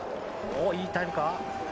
おっいいタイムか？